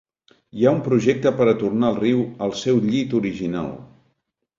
Hi ha un projecte per a tornar el riu al seu llit original.